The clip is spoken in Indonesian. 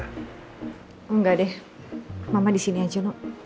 oh enggak deh mama disini aja no